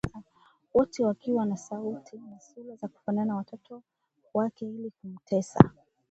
wote wakiwa na sauti na sura za kuwafanana watoto wake ili kumtesa